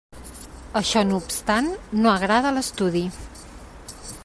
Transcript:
Això no obstant no agrada a l'estudi.